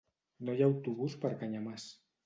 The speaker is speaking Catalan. No hi ha autobús per Canyamars.